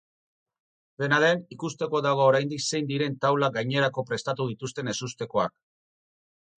Dena den, ikusteko dago oraindik zein diren taula gainerako prestatu dituzten ezustekoak.